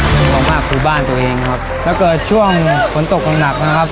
ห่วงมากคือบ้านตัวเองครับแล้วเกิดช่วงฝนตกหนักนะครับ